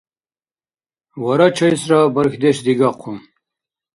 Варачайсра бархьдеш дигахъу.